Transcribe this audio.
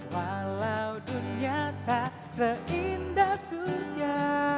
walau dunia tak seindah surga